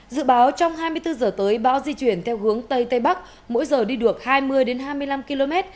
dự báo trong hai mươi bốn giờ tới bão di chuyển theo hướng tây tây bắc mỗi giờ đi được hai mươi hai mươi năm km